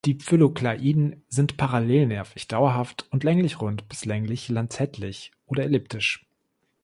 Die Phyllokladien sind parallelnervig, dauerhaft und länglich-rund bis länglich-lanzettlich oder elliptisch.